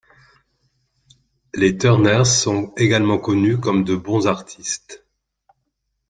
Les Turners sont également connus comme de bons artistes.